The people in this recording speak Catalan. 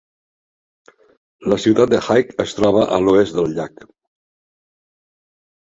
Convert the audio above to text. La ciutat de Hayq es troba a l'oest del llac.